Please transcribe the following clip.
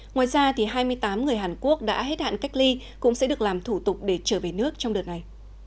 ngoài ra hai mươi tám người hàn quốc đã hết hạn cách ly cũng sẽ được làm thủ tục để trở về nước trong đợt này